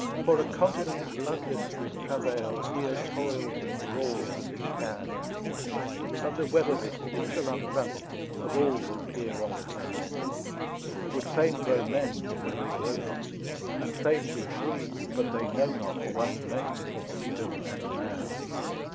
For a continent bloodless with travail Here toils and brawls as it can, And the web of it who shall unravel Of all that peer on the plan; Would fain grow men, but they grow not, And fain be free, but they know not One name for freedom and man?